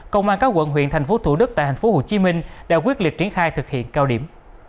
công an các quận huyện thành phố thủ đức tại thành phố hồ chí minh đã quyết liệt triển khai thực hiện cao điểm